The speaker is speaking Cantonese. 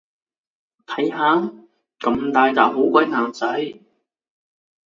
睇下，咁大撻好鬼難洗